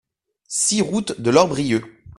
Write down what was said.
six route de l'Orbieu